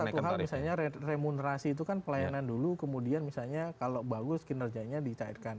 karena satu hal misalnya remunerasi itu kan pelayanan dulu kemudian misalnya kalau bagus kinerjanya dicaidkan